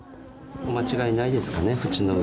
お間違いないですかね。